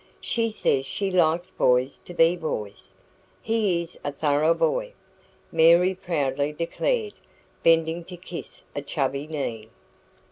She says she likes boys to be boys. He is a thorough boy," Mary proudly declared, bending to kiss a chubby knee.